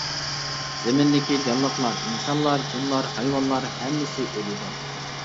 زېمىندىكى جانلىقلار-ئىنسانلار، جىنلار، ھايۋانلار ھەممىسى ئۆلىدۇ.